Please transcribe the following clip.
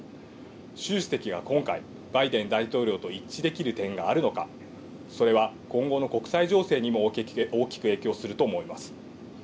習主席が今回、バイデン大統領と一致できる点があるのか、それは今後の国際情勢にも大きく影響すると思います。